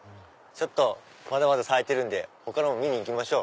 まだまだ咲いてるので他のも見に行きましょう。